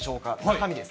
中身です。